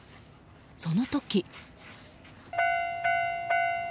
その時。